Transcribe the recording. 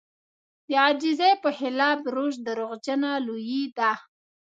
د عاجزي په خلاف روش دروغجنه لويي ده.